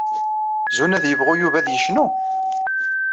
Zuna ad yebɣu Yuba ad yecnu?